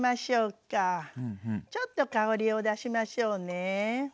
ちょっと香りを出しましょうね。